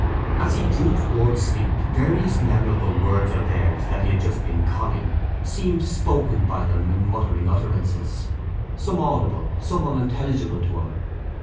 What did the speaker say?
As he drew towards sleep various memorable words of theirs that he had just been conning seemed spoken by them in muttering utterances; some audible, some unintelligible to him.